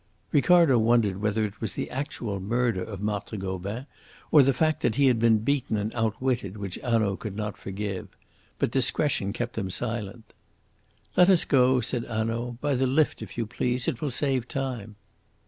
Ricardo wondered whether it was the actual murder of Marthe Gobin or the fact that he had been beaten and outwitted which Hanaud could not forgive. But discretion kept him silent. "Let us go," said Hanaud. "By the lift, if you please; it will save time."